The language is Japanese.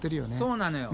そうなのよ。